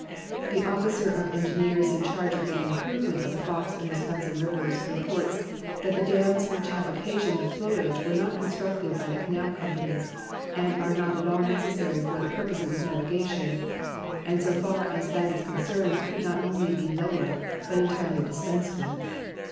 The officer of engineers in charge of the improvement of the Fox and Wisconsin rivers reports that the dams which have occasioned the flowage were not constructed by the canal companies, and are not at all necessary for the purposes of navigation, and so far as that is concerned could not only be lowered, but entirely dispensed with.